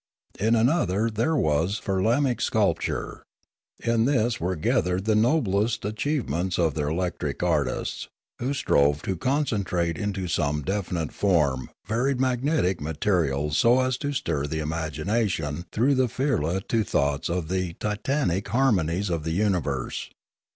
In another there was firlamaic sculpture; in this were gathered the noblest achieve ments of their electric artists, who strove to concentrate into some definite form varied magnetic materials so as to stir the imagination through the firla to thoughts of the titanic harmonies of the universe.